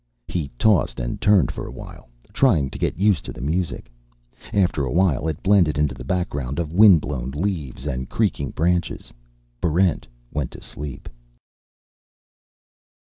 He tossed and turned for a while, trying to get used to the music. After a while it blended into the background of windblown leaves and creaking branches. Barrent went to sleep.